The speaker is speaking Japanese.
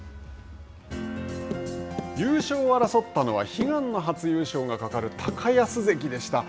優勝を争ったのは、悲願の初優勝がかかる高安関でした。